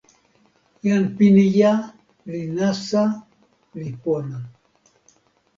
jan Pinija li nasa li pona.